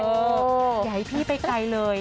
อย่าให้พี่ไปไกลเลย